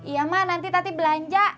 iya mak nanti tati belanja